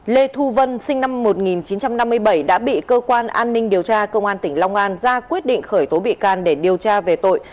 lê thu vân sinh năm một nghìn chín trăm năm mươi bảy đã bị cơ quan an ninh điều tra công an tỉnh long an ra quyết định khởi tố bị can để điều tra về tội